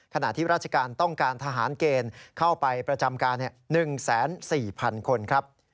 ขณะที่ราชการต้องการทหารเกณฑ์เข้าไปประจำการ๑๔๐๐๐คนครับ